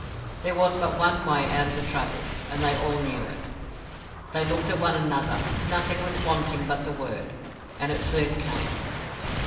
There was but one way out of the trouble, and they all knew it. They looked at one another; nothing was wanting but the word, and it soon came.